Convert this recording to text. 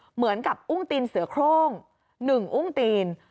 เหมือนกับอุ้งตีนเสือโครง๑อุ้งตีน